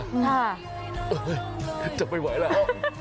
เออเห้ยจะไม่ไหวแล้ว